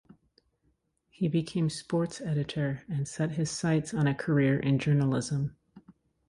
He became sports editor and set his sights on a career in journalism.